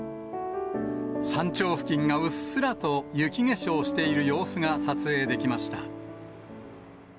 山頂付近がうっすらと雪化粧している様子が撮影できました。